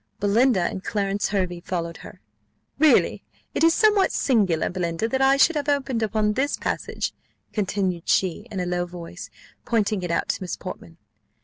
Belinda and Clarence Hervey followed her. "Really, it is somewhat singular, Belinda, that I should have opened upon this passage," continued she, in a low voice, pointing it out to Miss Portman.